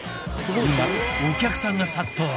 今お客さんが殺到！